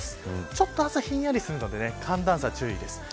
ちょっとひんやりするので寒暖差に注意が必要です。